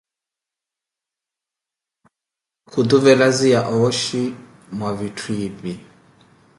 Khutuvelaziya ooxhi mwa vitthu ipi.